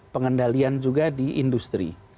pengendalian juga di industri